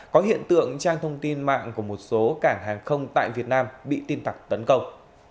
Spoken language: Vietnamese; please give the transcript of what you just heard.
có hiện tượng trang thông tin mạng của một số cảng hàng không tại việt nam bị tin tặc tấn công